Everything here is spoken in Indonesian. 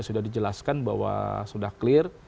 sudah dijelaskan bahwa sudah clear